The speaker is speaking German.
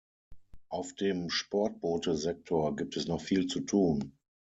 Auf dem Sportbootesektor gibt es noch viel zu tun.